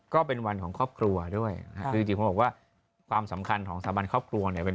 ก็เป็นวันของครอบครัวด้วยนะฮะคือจริงผมบอกว่าความสำคัญของสถาบันครอบครัวเนี่ย